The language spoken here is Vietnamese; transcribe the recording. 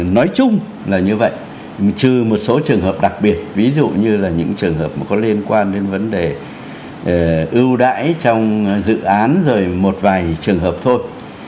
nói chung là như vậy trừ một số trường hợp đặc biệt ví dụ như là những trường hợp có liên quan đến vấn đề ưu đãi trong dự án rồi một vài trường hợp thôi